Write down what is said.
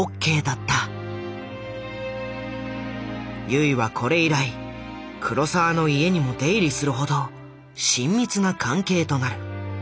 油井はこれ以来黒澤の家にも出入りするほど親密な関係となる。